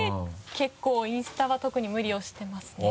結構インスタは特に無理をしていますね。